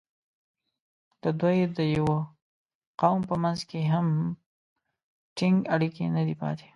د دوی د یوه قوم په منځ کې هم ټینګ اړیکې نه دي پاتې.